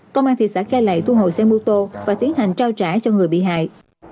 công an thị xã cai lậy thu hồi xe mô tô và tiến hành trao trả cho người bị hại